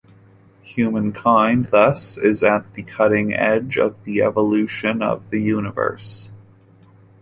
Humankind thus is at the cutting edge of the evolution of the universe.